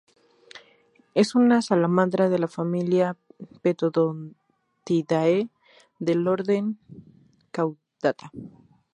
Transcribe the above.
Es una salamandra de la familia Plethodontidae del orden Caudata.